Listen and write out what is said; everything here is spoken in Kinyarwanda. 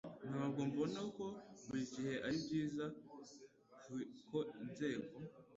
Ntabwo mbona ko buri gihe ari byiza ko inzego